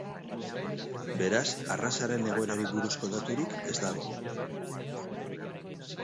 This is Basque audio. Beraz arrazaren egoerari buruzko daturik ez dago.